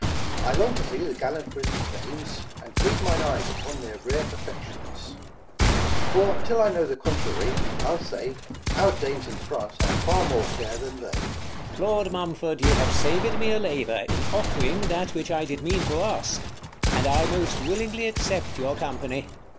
1 5 I long to see the gallant British dames, And feed mine eyes upon their rare perfections : For till I know the contrary, I'll say, Our dames in France are far more fair than they. King. Lord Mumford, you have saved me a labour, 20 In ofFring that which I did mean to ask : And I most willingly accept your company.